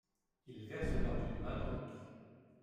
Il verse l'or d'une main dans l'autre.